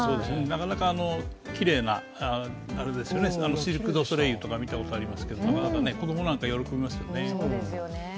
なかなか、きれいなシルク・ドゥ・ソレイユとか見たことありますけどなかなか子供なんか喜びますよね。